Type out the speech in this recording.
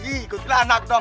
ikutlah anak dong